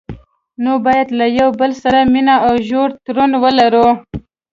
نو باید له یو بل سره مینه او ژور تړون ولري.